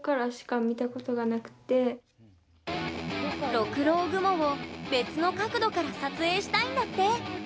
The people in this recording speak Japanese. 六郎雲を別の角度から撮影したいんだって。